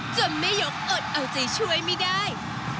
แม่ยกอดเอาใจช่วยไม่ได้